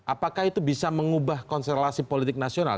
apakah itu bisa mengubah konstelasi politik nasional